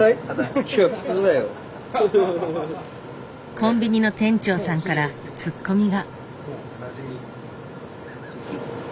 コンビニの店長さんからツッコミが。